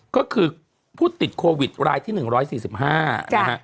ก็คือผู้ติดโควิดรายที่๑๔๕นะฮะ